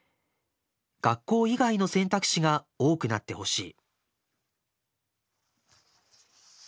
学校以外の選択肢が多くなってほしい」。